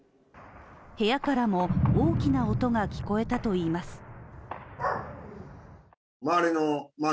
部屋からも大きな音が聞こえたといいます。